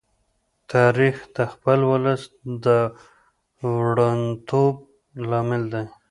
تاریخ د خپل ولس د وروڼتوب لامل دی.